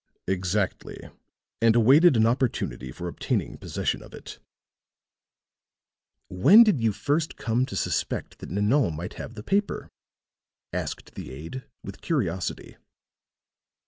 "Exactly and awaited an opportunity for obtaining possession of it." "When did you first come to suspect that Nanon might have the paper?" asked the aide, with curiosity.